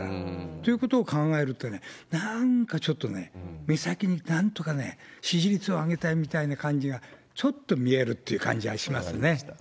ということを考えるとね、なんかちょっとね、目先になんとか支持率を上げたいみたいな感じがちょっと見えるっ分かりました。